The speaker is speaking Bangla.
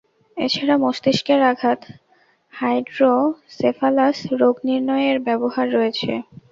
এছাড়া মস্তিষ্কের আঘাত, হাইড্রোসেফালাস রোগ নির্ণয়ে এর ব্যবহার রয়েছে।